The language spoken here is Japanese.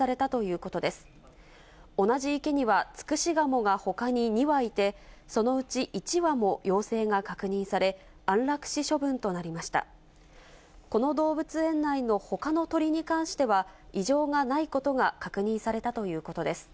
この動物園内のほかの鳥に関しては、異常がないことが確認されたということです。